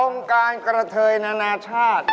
การกระเทยนานาชาติ